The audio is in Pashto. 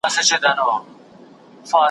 او تقریباً د خوښۍ ,